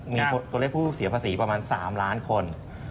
มีตัวเลขผู้เสียภาษีประมาณ๓ล้านคน